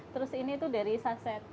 terus ini tuh dari saset